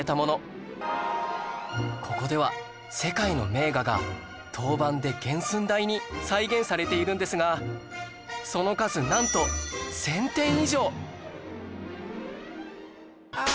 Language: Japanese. ここでは世界の名画が陶板で原寸大に再現されているんですがその数なんと１０００点以上！